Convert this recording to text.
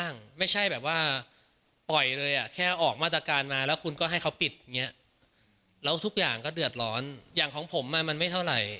แล้วทุกอย่างก็เดือดร้อนอย่างของผมมันไม่เท่าไหร่